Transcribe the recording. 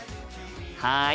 はい。